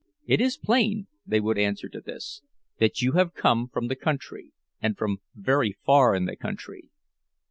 "It is plain," they would answer to this, "that you have come from the country, and from very far in the country."